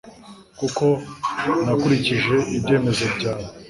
kuko nakurikije ibyemezo byawe